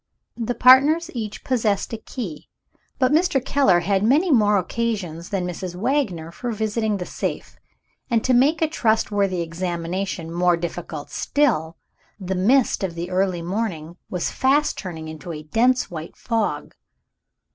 The partners each possessed a key, but Mr. Keller had many more occasions than Mrs. Wagner for visiting the safe. And to make a trustworthy examination more difficult still, the mist of the early morning was fast turning into a dense white fog.